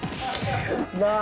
なあ！